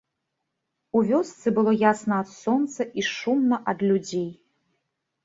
У вёсцы было ясна ад сонца і шумна ад людзей.